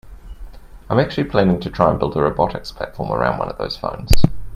I'm actually planning to try and build a robotics platform around one of those phones.